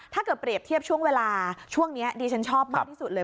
เปรียบเทียบช่วงเวลาช่วงนี้ดิฉันชอบมากที่สุดเลย